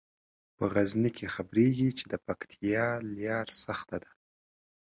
په غزني کې خبریږي چې د پکتیا لیاره سخته ده.